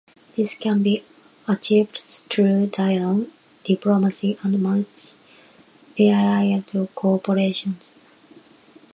This can be achieved through dialogue, diplomacy, and multilateral cooperation.